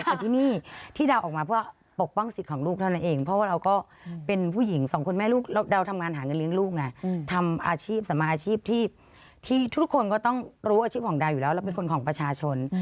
แต่ที่นี่ที่ดาวออกมาเพื่อปกป้องสิทธิ์ของลูกเท่านั้นเองเพราะว่าเราก็เป็นผู้หญิงสองคนแม่ลูกเราทำงานหาเงินเลี้ยงลูกไงทำอาชีพสมาอาชีพที่ทุกคนก็ต้องรู้อาชีพของดาวอยู่แล้วเราเป็นคนของประชาชน